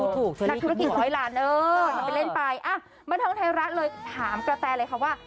พูดถูกนักธุรกิจร้อยล้านเออทำไปเล่นไปอ่ะบ้านท่องไทยรัฐเลยถามกระแตเลยค่ะว่า